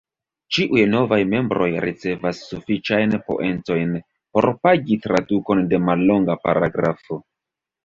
Ĉiuj novaj membroj ricevas sufiĉajn poentojn por "pagi" tradukon de mallonga paragrafo.